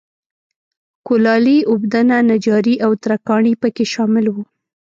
کولالي، اوبدنه، نجاري او ترکاڼي په کې شامل و.